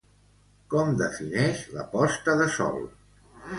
Com defineix la posta de sol?